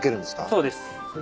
そうです。